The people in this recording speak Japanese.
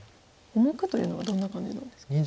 重くというのはどんな感じなんですか？